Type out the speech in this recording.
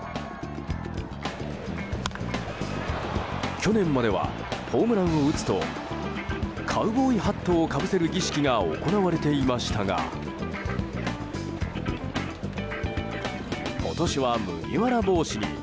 去年まではホームランを打つとカウボーイハットをかぶせる儀式が行われていましたが今年は麦わら帽子に。